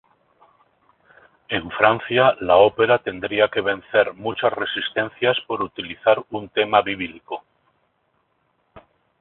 En Francia la ópera tendría que vencer muchas resistencias por utilizar un tema bíblico.